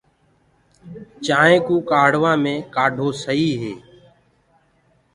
چآنٚينٚ ڪوُ ڪآڙهوآ مينٚ ڪآڍو سئي هي۔